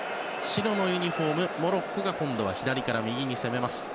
白のユニホームモロッコが左から右に攻めます。